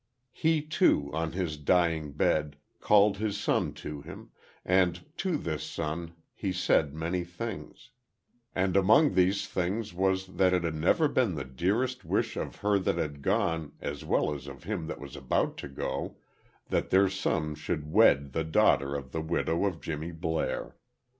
He, too, on his dying bed called his son to him; and to this son he said many things; and among these things was that it had ever been the dearest wish of her that had gone as well as of him that was about to go that their son should wed the daughter of the widow of Jimmy Blair.